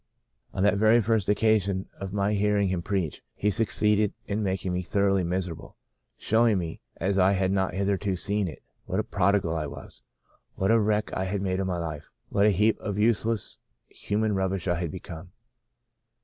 On that very first occasion of my hearing him preach, he succeeded in making me thor oughly miserable — showing me, as I had not hitherto seen it, what a prodigal I was, what a wreck I had made of my life, what a heap The Second Spring 177 of useless, human rubbish I had become.